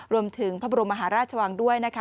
รวมถึงพระบรมมหาราชวังด้วยนะคะ